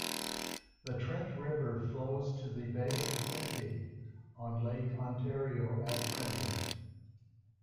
The Trent River flows to the Bay of Quinte on Lake Ontario at Trenton.